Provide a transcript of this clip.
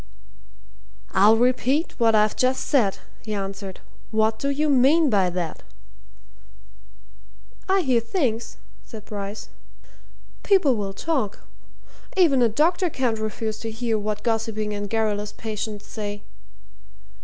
"I'll repeat what I've just said," he answered. "What do you mean by that?" "I hear things," said Bryce. "People will talk even a doctor can't refuse to hear what gossiping and garrulous patients say.